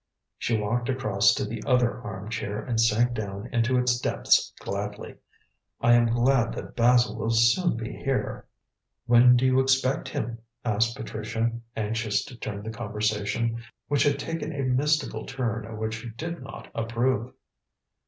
She walked across to the other arm chair and sank down into its depths gladly. "I am glad that Basil will soon be here." "When do you expect him?" asked Patricia, anxious to turn the conversation, which had taken a mystical turn of which she did not approve.